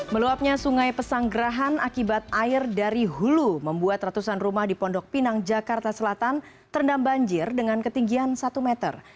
meluapnya sungai pesanggerahan akibat air dari hulu membuat ratusan rumah di pondok pinang jakarta selatan terendam banjir dengan ketinggian satu meter